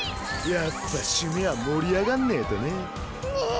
やっぱ締めは盛り上がんねぇとな。ねぇ！